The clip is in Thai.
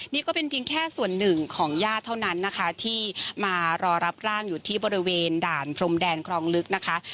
นี่ก็เป็นเพียงแค่ส่วนหนึ่งของญาติเท่านั้นนะคะที่มารอรับร่างอยู่ที่บริเวณด่านพรมแดนครองลึกนะคะ